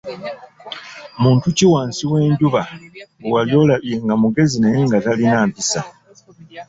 Muntu ki wansi w'enjuba gwe wali olabye nga mugezi naye nga talina mpisa?